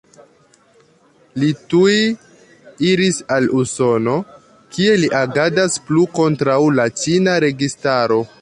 Li tuj iris al Usono, kie li agadas plu kontraŭ la ĉina registaro.